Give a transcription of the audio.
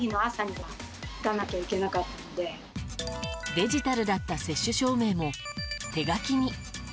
デジタルだった接種証明も手書きに。